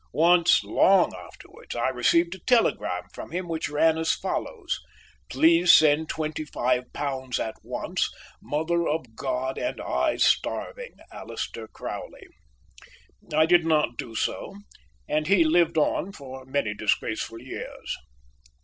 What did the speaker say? Once, long afterwards, I received a telegram from him which ran as follows: "Please send twenty five pounds at once. Mother of God and I starving. Aleister Crowley." I did not do so, and he lived on for many disgraceful years.